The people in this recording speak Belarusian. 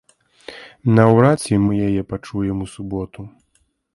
Наўрад ці мы яе пачуем у суботу.